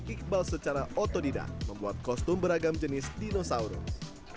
iqbal secara otodidak membuat kostum beragam jenis dinosaurus